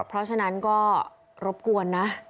เพราะฉะนั้นก็รบกวนนะ